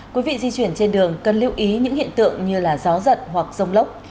quý vị di chuyển trên đường cần lưu ý những hiện tượng như gió giật hoặc rông lốc